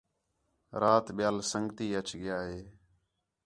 رات ٻِیال سنڳتی اَچ ڳِیا ہِے